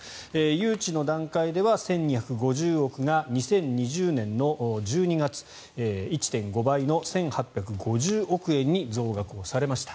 誘致の段階では１２５０億が２０２０年の１２月１．５倍の１８５０億円に増額されました。